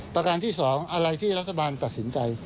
ประการที่๒อะไรที่รัฐบาลตัดสินใจ